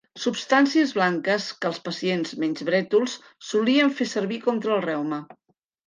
Substàncies blanques que els pacients menys brètols solien fer servir contra el reuma.